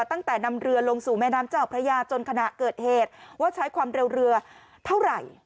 ตั้งแต่นำเรือลงสู่แม่น้ำเจ้าพระยาจนขณะเกิดเหตุว่าใช้ความเร็วเรือเท่าไหร่